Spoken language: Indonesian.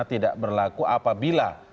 tidak berlaku apabila